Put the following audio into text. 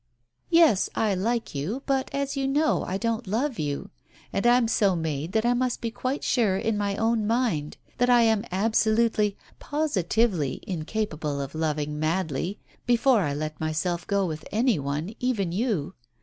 "Yes, I like you; but, as you know, I don't love you. And I'm so made that I must be quite sure in my own mind that I am absolutely, positively incapable of loving madly before I let myself go with any one, even you.